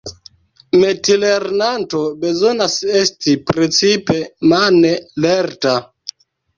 Metilernanto bezonas esti precipe mane lerta.